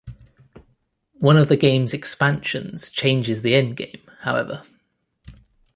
One of the game's expansions changes the endgame, however.